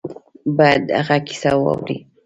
باید د هغه کیسه واوري.